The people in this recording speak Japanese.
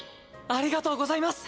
ありがとうございます。